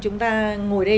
chúng ta ngồi đây